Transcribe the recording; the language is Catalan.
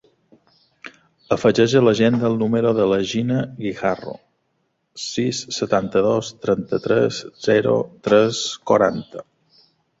Afegeix a l'agenda el número de la Gina Guijarro: sis, setanta-dos, trenta-tres, zero, tres, quaranta.